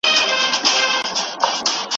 چي د ټولو افغانانو هیله ده.